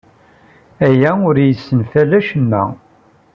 Aya ur yessenfal acemma.